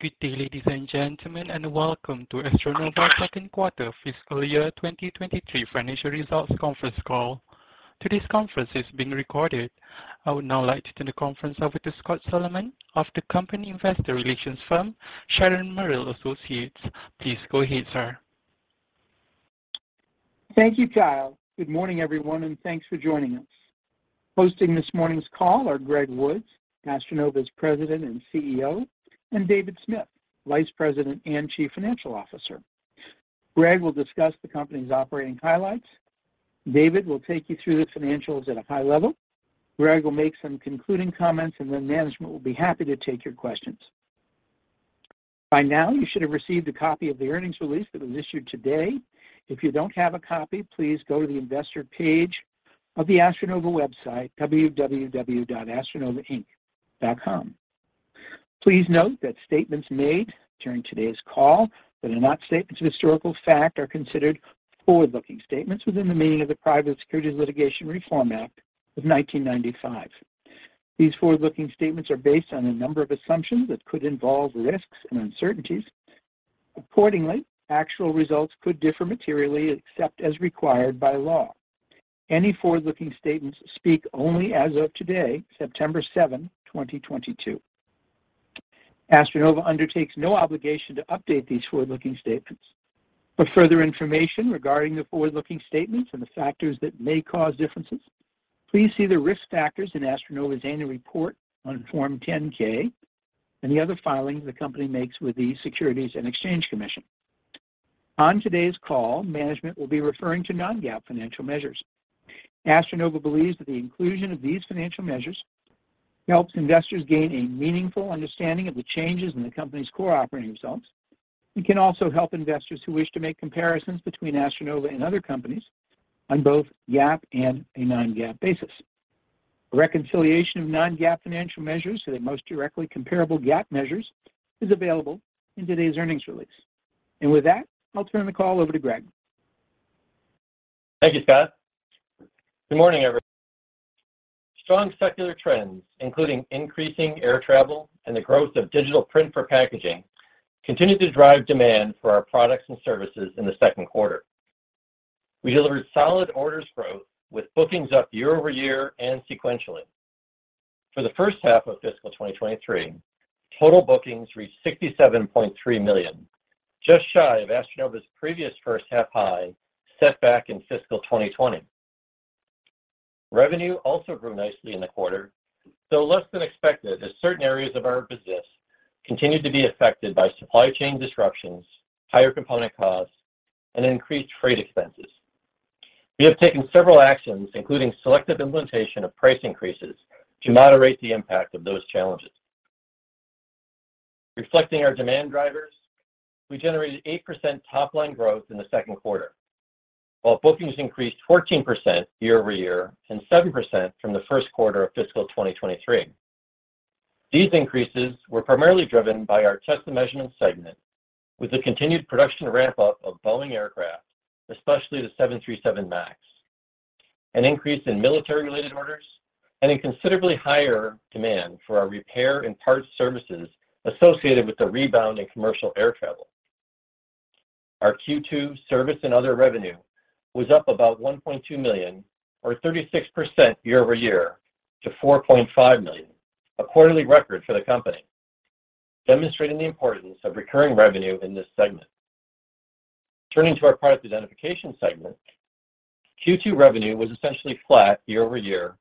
Good day, ladies and gentlemen, and welcome to AstroNova second quarter fiscal year 2023 financial results conference call. Today's conference is being recorded. I would now like to turn the conference over to Scott Solomon of the company investor relations firm, Sharon Merrill Associates. Please go ahead, sir. Thank you, Kyle. Good morning, everyone, and thanks for joining us. Hosting this morning's call are Greg Woods, AstroNova's President and CEO, and David Smith, Vice President and Chief Financial Officer. Greg will discuss the company's operating highlights. David will take you through the financials at a high level. Greg will make some concluding comments, and then management will be happy to take your questions. By now, you should have received a copy of the earnings release that was issued today. If you don't have a copy, please go to the investor page of the AstroNova website, www.astronovainc.com. Please note that statements made during today's call that are not statements of historical fact are considered forward-looking statements within the meaning of the Private Securities Litigation Reform Act of 1995. These forward-looking statements are based on a number of assumptions that could involve risks and uncertainties. Accordingly, actual results could differ materially except as required by law. Any forward-looking statements speak only as of today, September 7, 2022. AstroNova undertakes no obligation to update these forward-looking statements. For further information regarding the forward-looking statements and the factors that may cause differences, please see the risk factors in AstroNova's annual report on Form 10-K and the other filings the company makes with the Securities and Exchange Commission. On today's call, management will be referring to non-GAAP financial measures. AstroNova believes that the inclusion of these financial measures helps investors gain a meaningful understanding of the changes in the company's core operating results and can also help investors who wish to make comparisons between AstroNova and other companies on both GAAP and a non-GAAP basis. A reconciliation of non-GAAP financial measures to the most directly comparable GAAP measures is available in today's earnings release. With that, I'll turn the call over to Greg. Thank you, Scott. Good morning, everyone. Strong secular trends, including increasing air travel and the growth of digital print for packaging, continued to drive demand for our products and services in the second quarter. We delivered solid orders growth with bookings up year-over-year and sequentially. For the first half of fiscal year 2023, total bookings reached $67.3 million, just shy of AstroNova's previous first half high set back in fiscal year 2020. Revenue also grew nicely in the quarter, though less than expected as certain areas of our business continued to be affected by supply chain disruptions, higher component costs, and increased freight expenses. We have taken several actions, including selective implementation of price increases, to moderate the impact of those challenges. Reflecting our demand drivers, we generated 8% top-line growth in the second quarter, while bookings increased 14% year-over-year and 7% from the first quarter of fiscal year 2023. These increases were primarily driven by our Test & Measurement segment with the continued production ramp-up of Boeing aircraft, especially the 737 MAX, an increase in military-related orders, and a considerably higher demand for our repair and parts services associated with the rebound in commercial air travel. Our Q2 service and other revenue was up about $1.2 million or 36% year-over-year to $4.5 million, a quarterly record for the company, demonstrating the importance of recurring revenue in this segment. Turning to our Product Identification segment, Q2 revenue was essentially flat year-over-year,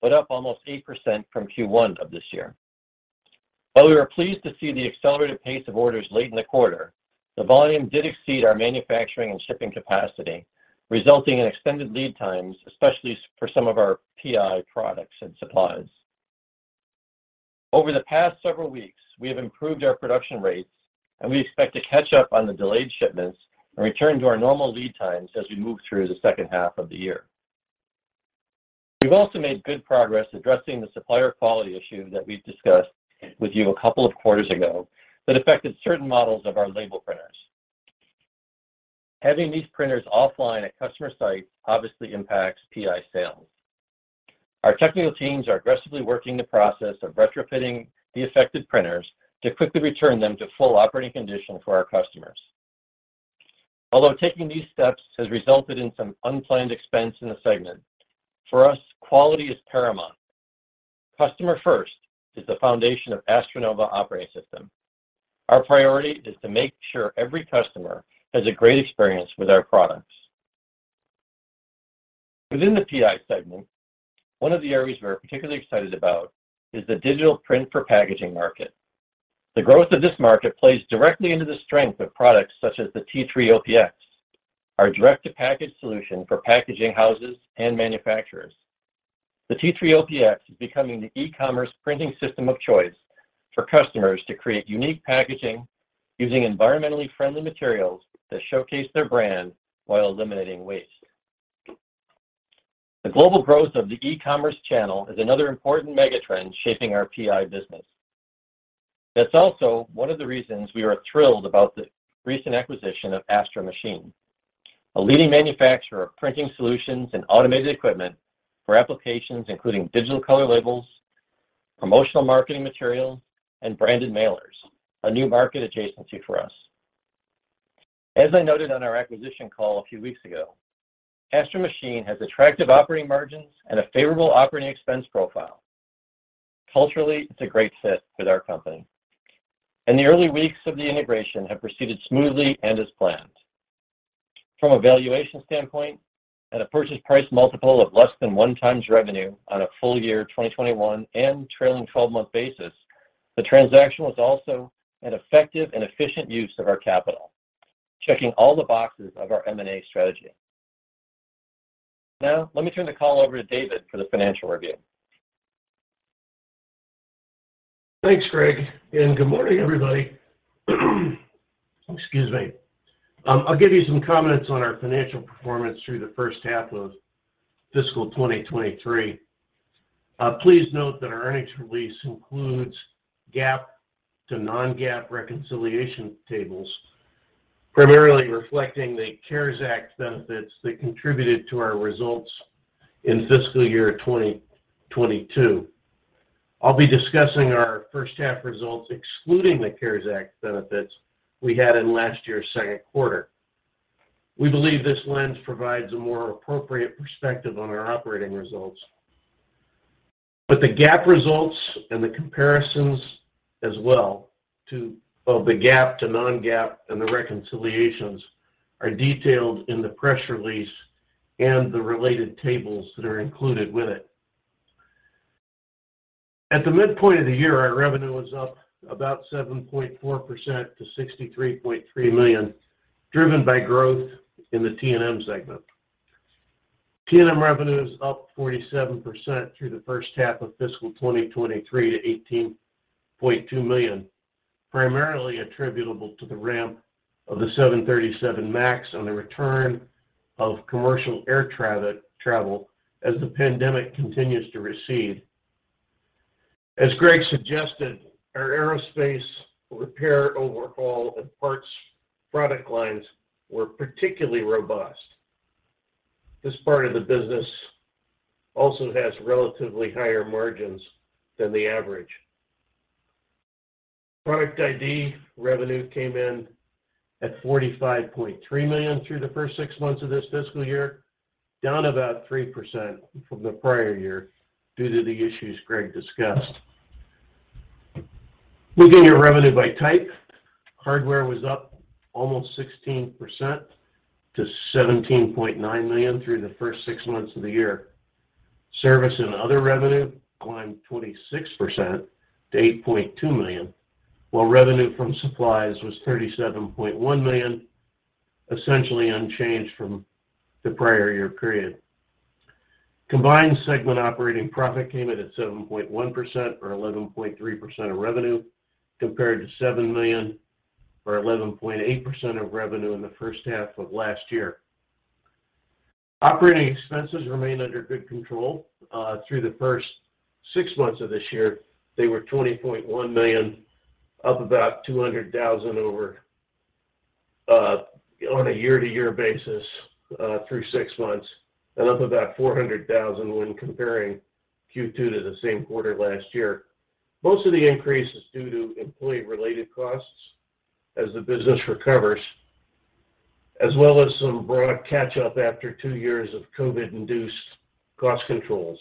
but up almost 8% from Q1 of this year. While we were pleased to see the accelerated pace of orders late in the quarter, the volume did exceed our manufacturing and shipping capacity, resulting in extended lead times, especially for some of our PI products and supplies. Over the past several weeks, we have improved our production rates, and we expect to catch up on the delayed shipments and return to our normal lead times as we move through the second half of the year. We've also made good progress addressing the supplier quality issue that we've discussed with you a couple of quarters ago that affected certain models of our label printers. Having these printers offline at customer sites obviously impacts PI sales. Our technical teams are aggressively working the process of retrofitting the affected printers to quickly return them to full operating condition for our customers. Although taking these steps has resulted in some unplanned expense in the segment, for us, quality is paramount. Customer first is the foundation of AstroNova Operating System. Our priority is to make sure every customer has a great experience with our products. Within the PI segment, one of the areas we're particularly excited about is the digital print for packaging market. The growth of this market plays directly into the strength of products such as the T3-OPX, our direct-to-package solution for packaging houses and manufacturers. The T3-OPX is becoming the e-commerce printing system of choice for customers to create unique packaging using environmentally friendly materials that showcase their brand while eliminating waste. The global growth of the e-commerce channel is another important mega trend shaping our PI business. That's also one of the reasons we are thrilled about the recent acquisition of Astro Machine, a leading manufacturer of printing solutions and automated equipment for applications including digital color labels, promotional marketing material, and branded mailers, a new market adjacency for us. As I noted on our acquisition call a few weeks ago, Astro Machine has attractive operating margins and a favorable operating expense profile. Culturally, it's a great fit with our company. The early weeks of the integration have proceeded smoothly and as planned. From a valuation standpoint, at a purchase price multiple of less than 1x revenue on a full year 2021 and trailing 12-month basis, the transaction was also an effective and efficient use of our capital, checking all the boxes of our M&A strategy. Now, let me turn the call over to David for the financial review. Thanks, Greg, and good morning, everybody. Excuse me. I'll give you some comments on our financial performance through the first half of fiscal year 2023. Please note that our earnings release includes GAAP to non-GAAP reconciliation tables, primarily reflecting the CARES Act benefits that contributed to our results in fiscal year 2022. I'll be discussing our first half results excluding the CARES Act benefits we had in last year's second quarter. We believe this lens provides a more appropriate perspective on our operating results. The GAAP results and the comparisons as well to the GAAP to non-GAAP and the reconciliations are detailed in the press release and the related tables that are included with it. At the midpoint of the year, our revenue was up about 7.4% to $63.3 million, driven by growth in the T&M segment. T&M revenue is up 47% through the first half of fiscal year 2023 to $18.2 million, primarily attributable to the ramp of the 737 MAX on the return of commercial air travel as the pandemic continues to recede. As Greg suggested, our aerospace repair overhaul and parts product lines were particularly robust. This part of the business also has relatively higher margins than the average. Product ID revenue came in at $45.3 million through the first six months of this fiscal year, down about 3% from the prior year due to the issues Greg discussed. Looking at revenue by type, hardware was up almost 16% to $17.9 million through the first six months of the year. Service and other revenue climbed 26% to $8.2 million, while revenue from supplies was $37.1 million, essentially unchanged from the prior year period. Combined segment operating profit came in at 7.1% or 11.3% of revenue, compared to $7 million or 11.8% of revenue in the first half of last year. Operating expenses remain under good control. Through the first six months of this year, they were $20.1 million, up about $200,000 over, on a year-to-year basis, through six months, and up about $400,000 when comparing Q2 to the same quarter last year. Most of the increase is due to employee-related costs as the business recovers, as well as some broad catch-up after two years of COVID-induced cost controls.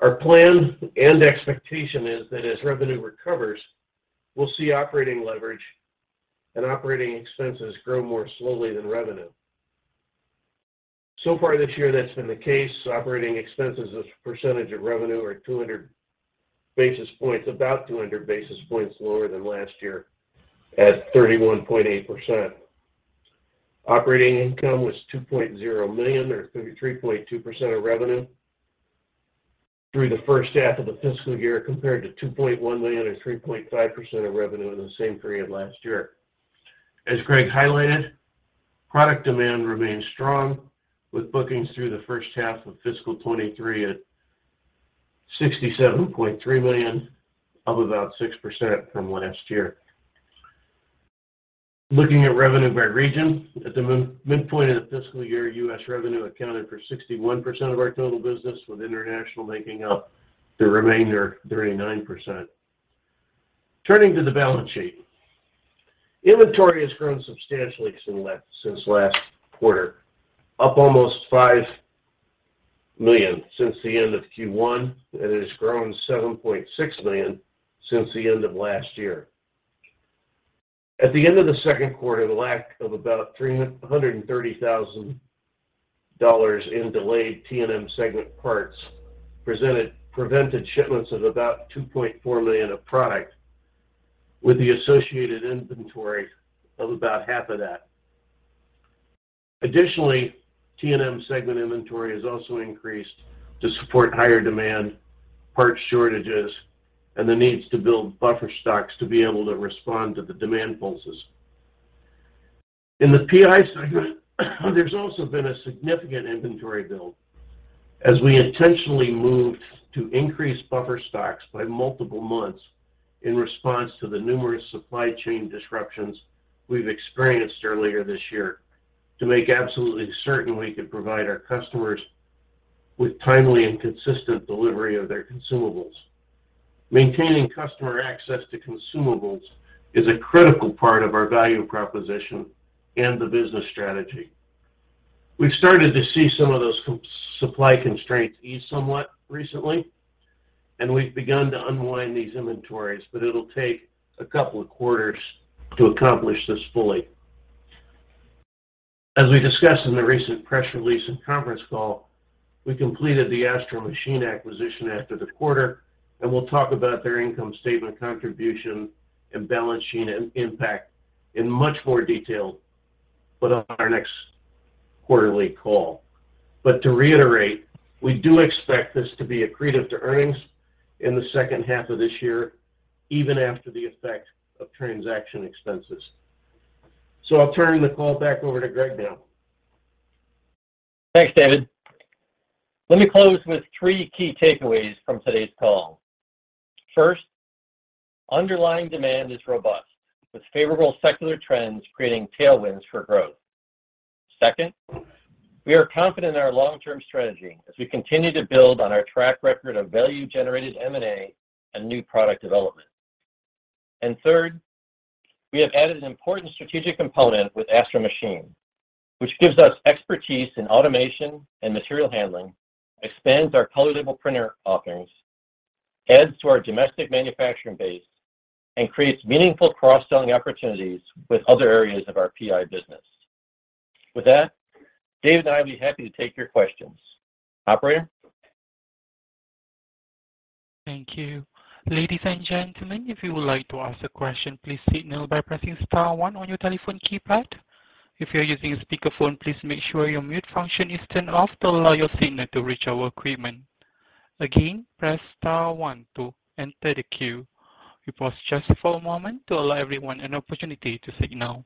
Our plan and expectation is that as revenue recovers, we'll see operating leverage and operating expenses grow more slowly than revenue. So far this year, that's been the case. Operating expenses as a percentage of revenue are 200 basis points, about 200 basis points lower than last year at 31.8%. Operating income was $2.0 million or 33.2% of revenue through the first half of the fiscal year, compared to $2.1 million or 3.5% of revenue in the same period last year. As Greg highlighted, product demand remains strong with bookings through the first half of fiscal year 2023 at $67.3 million, up about 6% from last year. Looking at revenue by region, at the midpoint of the fiscal year, U.S. revenue accounted for 61% of our total business, with international making up the remainder, 39%. Turning to the balance sheet. Inventory has grown substantially since last quarter, up almost $5 million since the end of Q1, and it has grown $7.6 million since the end of last year. At the end of the second quarter, the lack of about $130,000 in delayed T&M segment parts prevented shipments of about $2.4 million of product with the associated inventory of about half of that. Additionally, T&M segment inventory has also increased to support higher demand, parts shortages, and the needs to build buffer stocks to be able to respond to the demand pulses. In the PI segment, there's also been a significant inventory build. As we intentionally moved to increase buffer stocks by multiple months in response to the numerous supply chain disruptions we've experienced earlier this year to make absolutely certain we could provide our customers with timely and consistent delivery of their consumables. Maintaining customer access to consumables is a critical part of our value proposition and the business strategy. We've started to see some of those supply constraints ease somewhat recently, and we've begun to unwind these inventories, but it'll take a couple of quarters to accomplish this fully. As we discussed in the recent press release and conference call, we completed the Astro Machine acquisition after the quarter, and we'll talk about their income statement contribution and balance sheet and impact in much more detail within our next quarterly call. To reiterate, we do expect this to be accretive to earnings in the second half of this year, even after the effect of transaction expenses. I'll turn the call back over to Greg now. Thanks, David. Let me close with three key takeaways from today's call. First, underlying demand is robust, with favorable secular trends creating tailwinds for growth. Second, we are confident in our long-term strategy as we continue to build on our track record of value-generated M&A and new product development. Third, we have added an important strategic component with Astro Machine, which gives us expertise in automation and material handling, expands our color label printer offerings, adds to our domestic manufacturing base, and creates meaningful cross-selling opportunities with other areas of our PI business. With that, Dave and I will be happy to take your questions. Operator? Thank you. Ladies and gentlemen, if you would like to ask a question, please signal by pressing star one on your telephone keypad. If you're using a speakerphone, please make sure your mute function is turned off to allow your signal to reach our equipment. Again, press star one to enter the queue. We pause just for a moment to allow everyone an opportunity to signal.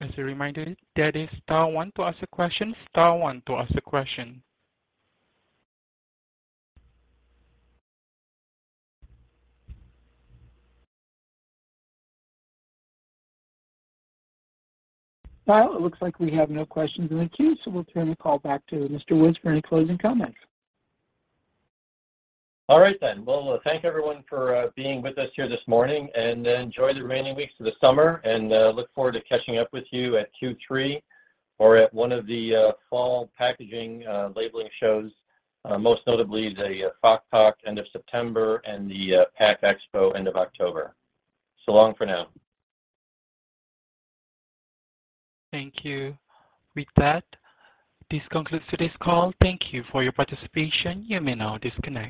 As a reminder, that is star one to ask a question. Well, it looks like we have no questions in the queue, so we'll turn the call back to Mr. Woods for any closing comments. All right then. Well, thank everyone for being with us here this morning, and enjoy the remaining weeks of the summer, and look forward to catching up with you at Q3 or at one of the fall packaging labeling shows, most notably the FachPack end of September and the PACK EXPO end of October. So long for now. Thank you. With that, this concludes today's call. Thank you for your participation. You may now disconnect.